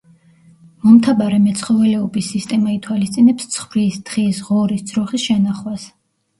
მომთაბარე მეცხოველეობის სისტემა ითვალისწინებს ცხვრის, თხის, ღორის, ძროხის შენახვას.